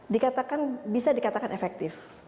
dikatakan bisa dikatakan efektif